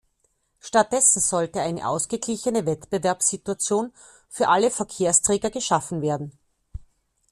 Stattdessen sollte eine ausgeglichene Wettbewerbssituation für alle Verkehrsträger geschaffen werden.